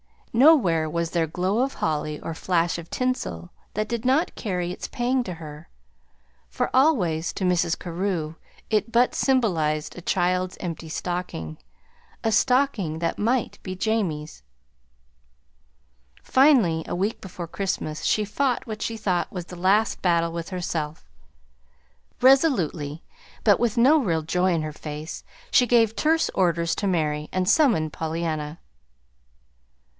Nowhere was there glow of holly or flash of tinsel that did not carry its pang to her; for always to Mrs. Carew it but symbolized a child's empty stocking a stocking that might be Jamie's. Finally, a week before Christmas, she fought what she thought was the last battle with herself. Resolutely, but with no real joy in her face, she gave terse orders to Mary, and summoned Pollyanna.